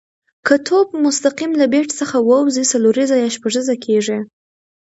که توپ مستقیم له بېټ څخه وځي، څلوریزه یا شپږیزه کیږي.